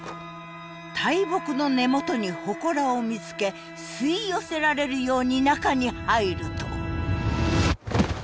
大木の根元に祠を見つけ吸い寄せられるように中に入ると。